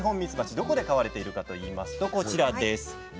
どこで飼われているかといいますとこちらです。